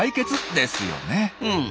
うん。